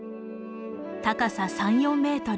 高さ３４メートル。